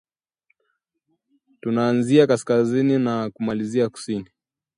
Tunaanzia kaskazini na kumalizia kusini